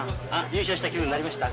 優勝した気分になりました？